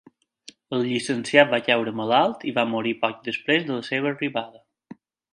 El llicenciat va caure malalt i va morir poc després de la seva arribada.